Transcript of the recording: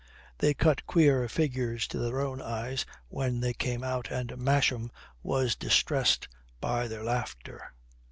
They cut queer figures to their own eyes when they came out, and Masham was distressed by their laughter.